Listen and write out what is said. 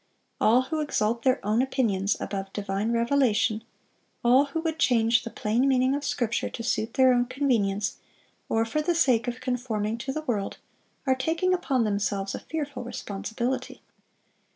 All who exalt their own opinions above divine revelation, all who would change the plain meaning of Scripture to suit their own convenience, or for the sake of conforming to the world, are taking upon themselves a fearful responsibility.